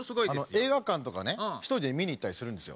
映画館とかね１人で見に行ったりするんですよ。